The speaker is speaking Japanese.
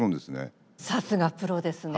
さすがプロですね。